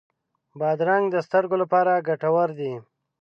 بادرنګ د سترګو لپاره ګټور دی.